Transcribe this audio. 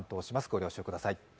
ご了承ください。